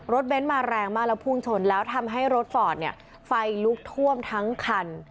รถเบนท์มาแรงมาแล้วพุ่งชนแล้วทำให้รถฝอดไฟลุกท่วมทั้งคัน